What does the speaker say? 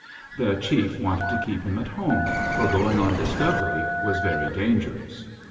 The chief wanted to keep him at home, for going on discovery was very dangerous.